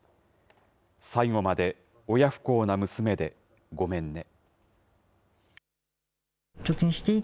最後まで親不孝な娘でごめんね。